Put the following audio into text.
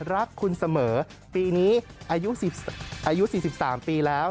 รักคุณเสมอปีนี้อายุ๔๓ปีแล้ว